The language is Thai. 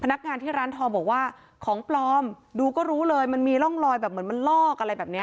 นักงานที่ร้านทองบอกว่าของปลอมดูก็รู้เลยมันมีร่องรอยแบบเหมือนมันลอกอะไรแบบเนี้ย